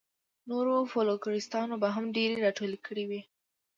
نورو فوکلوریسټانو به هم ډېرې راټولې کړې وي.